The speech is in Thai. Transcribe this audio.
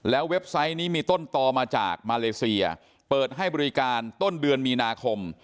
เว็บไซต์นี้มีต้นตอมาจากมาเลเซียเปิดให้บริการต้นเดือนมีนาคม